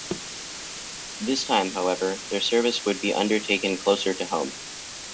This time, however, their service would be undertaken closer to home.